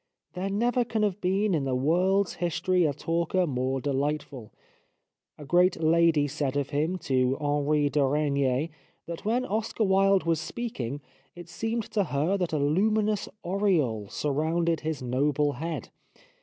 There never can have been in the world's history a talker more delightful. A great lady said of him to Henri de Regnier that when Oscar Wilde was speaking it seemed to her that a luminous aureole surrounded his noble head.